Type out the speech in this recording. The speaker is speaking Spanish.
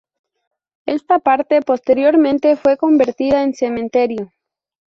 Esta parte posteriormente fue convertida en cementerio.